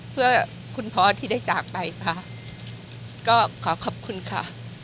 เพื่อคุณพ่อที่ได้จากไปค่ะก็ขอขอบคุณค่ะ